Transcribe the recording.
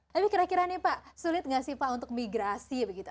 tapi kira kira nih pak sulit nggak sih pak untuk migrasi begitu